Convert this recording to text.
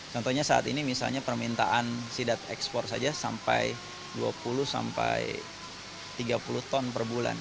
contohnya saat ini misalnya permintaan sidat ekspor saja sampai dua puluh sampai tiga puluh ton per bulan